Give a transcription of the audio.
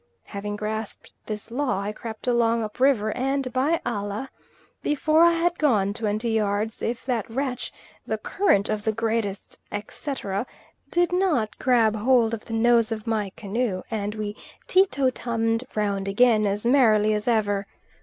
Having grasped this law, I crept along up river; and, by Allah! before I had gone twenty yards, if that wretch, the current of the greatest, etc., did not grab hold of the nose of my canoe, and we teetotummed round again as merrily as ever.